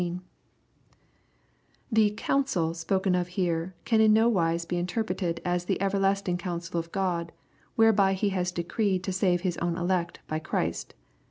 The " counsel " spoken of here can in no wise be interpreted as the everlasting counsel of G^d, whereby he has decreed to save His own elect by Christ.